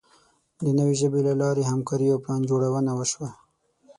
د نوې ژبې له لارې همکاري او پلانجوړونه وشوه.